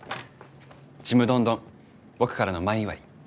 ちむどんどん僕からの前祝い。